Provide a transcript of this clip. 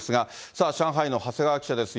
さあ、上海の長谷川記者です。